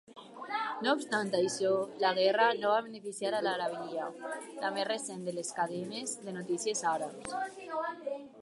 No obstant això, la guerra no va beneficiar a Al-Arabiya, la més recent de les cadenes de notícies àrabs.